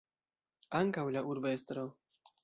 Ankaŭ la urbestro.